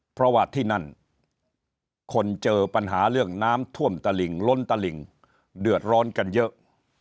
เพราะว่าที่นั่นคนเจอปัญหาเรื่องน้ำท่วมตลิงล้นตะหลิ่งเดือดร้อนกันเยอะ